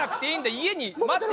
家に待ってる。